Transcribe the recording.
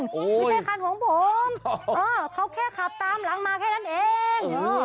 ไม่ใช่คันของผมเขาแค่ขับตามหลังมาแค่นั้นเอง